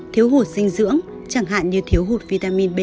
thiếu hụt dinh dưỡng chẳng hạn như thiếu hụt vitamin b một mươi hai